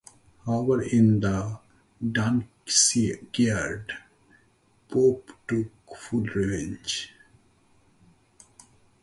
However, in "The Dunciad," Pope took full revenge.